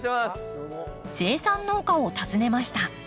生産農家を訪ねました。